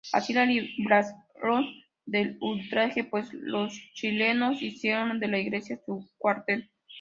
Así la libraron del ultraje, pues los chilenos hicieron de la iglesia su cuartel.